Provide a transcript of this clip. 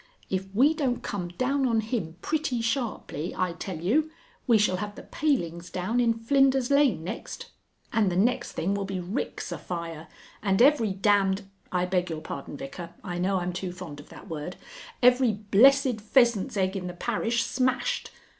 If we don't come down on him pretty sharply, I tell you, we shall have the palings down in Flinders Lane next, and the next thing will be ricks afire, and every damned (I beg your pardon, Vicar. I know I'm too fond of that word), every blessed pheasant's egg in the parish smashed.